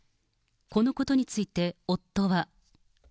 このことについて夫は。